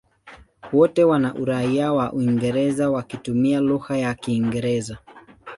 Wote wana uraia wa Uingereza wakitumia lugha ya Kiingereza.